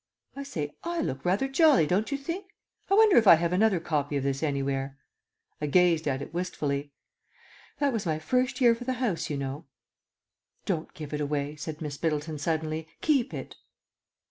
"I say, I look rather jolly, don't you think? I wonder if I have another copy of this anywhere." I gazed at it wistfully. "That was my first year for the house, you know." "Don't give it away," said Miss Middleton suddenly. "Keep it."